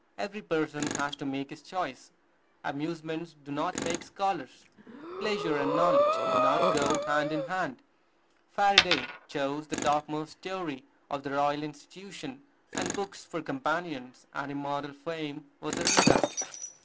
Every person has to make his choice. Amusements do not make scholars: pleasure and knowledge do not go hand in hand. Faraday chose the topmost story of the Royal Institution, and books for companions, and immortal fame was the result.